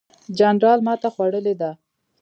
جنرال ماته خوړلې ده.